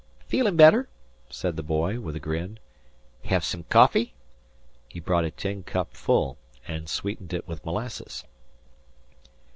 "Feelin' better?" said the boy, with a grin. "Hev some coffee?" He brought a tin cup full and sweetened it with molasses.